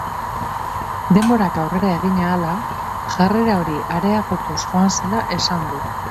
Denborak aurrera egin ahala jarrera hori areagotuz joan zela esan du.